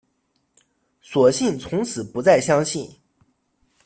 索性从此不再相信